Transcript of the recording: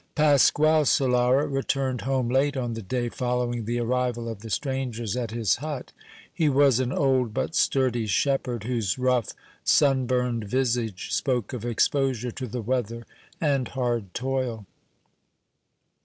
Pasquale Solara returned home late on the day following the arrival of the strangers at his hut. He was an old, but sturdy shepherd, whose rough, sunburned visage spoke of exposure to the weather and hard toil.